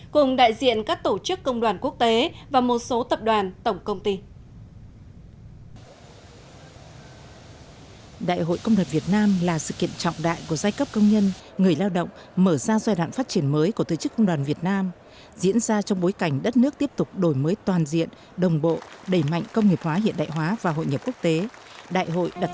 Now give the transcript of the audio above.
cùng đại diện các tổ chức công đoàn quốc tế và một số tập đoàn tổng công ty